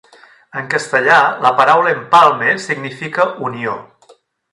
En castellà, la paraula "empalme" significa "unió".